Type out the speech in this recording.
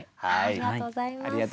ありがとうございます。